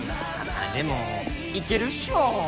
まあでもいけるっしょ？